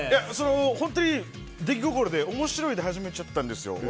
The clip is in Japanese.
本当に、出来心で面白いで始めちゃったんですよ。